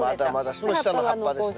その下の葉っぱですね。